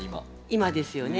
今ですよね。